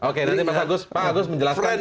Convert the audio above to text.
oke nanti pak agus menjelaskan